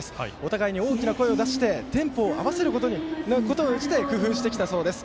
お互いに大きな声を出してテンポを合わせることをして工夫してきたそうです。